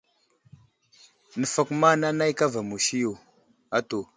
Nəfakuma nanay kava musi yo atu.